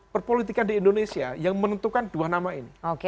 perpolitikan di indonesia yang menentukan dua nama ini